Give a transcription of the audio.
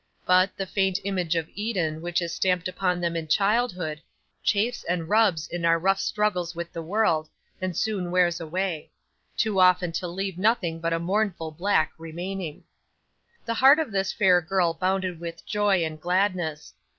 But, the faint image of Eden which is stamped upon them in childhood, chafes and rubs in our rough struggles with the world, and soon wears away: too often to leave nothing but a mournful blank remaining. 'The heart of this fair girl bounded with joy and gladness.